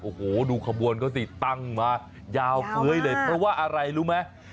โอ้โหดูขบวนเขาสิตั้งมายาวเฟ้ยเลยเพราะว่าอะไรรู้ไหม